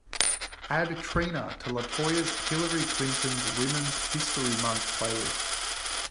Add Trina to latoya's Hillary Clinton's Women's History Month Playlist.